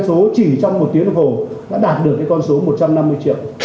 thì doanh số chỉ trong một tiếng vô đã đạt được cái con số một trăm năm mươi triệu